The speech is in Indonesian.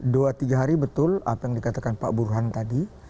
dua tiga hari betul apa yang dikatakan pak burhan tadi